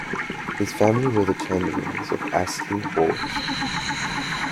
His family were the Chamberlaines of Astley, Warwickshire.